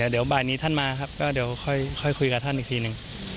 เดี๋ยวบ่ายนี้ท่านมาครับก็เดี๋ยวค่อยคุยกับท่านอีกทีหนึ่ง